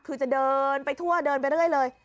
คือจะเดินไปทั่วเดินไปเรื่อยเลย